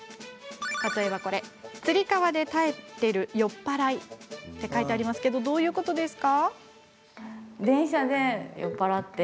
「つり革で耐えてる酔っ払い」って書いてありますけどどういうことなんでしょう。